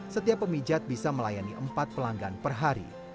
setiap pemijat bisa melayani empat pelanggan per hari